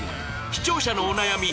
視聴者のお悩み